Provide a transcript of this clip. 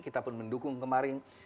kita mendukung kemarin